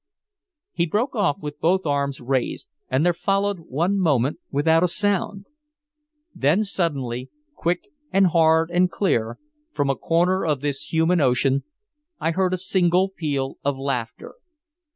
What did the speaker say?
He broke off with both arms raised, and there followed one moment without a sound. Then suddenly, quick and hard and clear, from a corner of this human ocean, I heard a single peal of laughter.